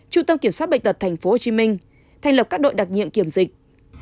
trung tâm kiểm soát bệnh tật tp hcm thành lập các đội đặc nhiệm kiểm dịch